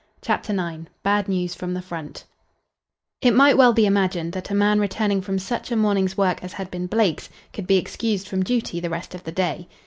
_" CHAPTER IX BAD NEWS FROM THE FRONT It might well be imagined that a man returning from such a morning's work as had been Blake's could be excused from duty the rest of the day.